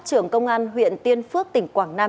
trưởng công an huyện tiên phước tỉnh quảng nam